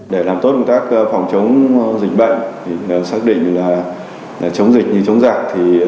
để làm tốt công tác phòng chống dịch bệnh xác định là chống dịch như chống giặc